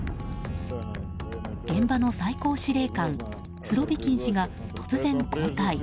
現場の最高司令官スロビキン氏が突然交代。